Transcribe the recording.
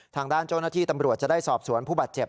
ทางด้านเจ้าหน้าที่ตำรวจจะได้สอบสวนผู้บาดเจ็บ